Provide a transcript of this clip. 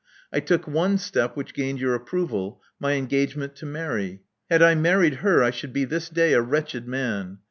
I took one step which gained your approval — my engagement to Mary. Had I married her, I should be this day a wretched man.